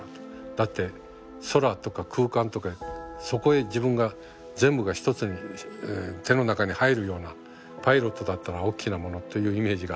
だって空とか空間とかそこへ自分が全部が一つに手の中に入るようなパイロットだったのはおっきなものっていうイメージがあった。